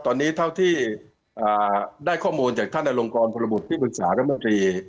ตอนนี้เท่าที่ได้ข้อมูลจากท่านอลงกรพลบุตรที่ปรึกษารัฐมนตรี